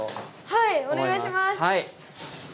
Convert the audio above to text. はいお願いします。